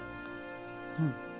うん。